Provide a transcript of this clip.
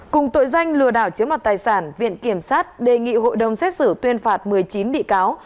cùng tội danh lừa đảo chiếm mặt tài sản viện kiểm sát đề nghị hội đồng xét xử tuyên phạt một mươi chín bị cáo